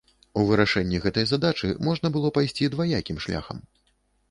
У вырашэнні гэтай задачы можна было пайсці дваякім шляхам.